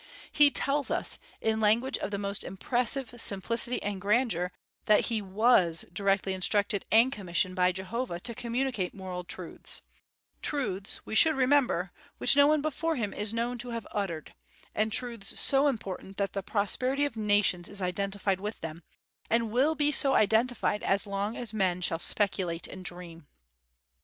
He tells us, in language of the most impressive simplicity and grandeur, that he was directly instructed and commissioned by Jehovah to communicate moral truths, truths, we should remember, which no one before him is known to have uttered, and truths so important that the prosperity of nations is identified with them, and will be so identified as long as men shall speculate and dream.